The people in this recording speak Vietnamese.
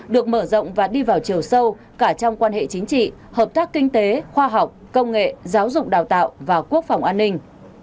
được mở rộng và đi vào chiều sâu cả trong quan hệ chính trị hợp tác kinh tế khoa học công nghệ giáo dục đào tạo và quốc phòng an ninh